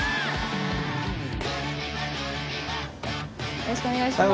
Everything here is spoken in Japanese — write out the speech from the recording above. よろしくお願いします。